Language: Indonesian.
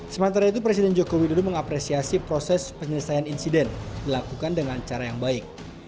sementara itu presiden joko widodo mengapresiasi proses penyelesaian insiden dilakukan dengan cara yang baik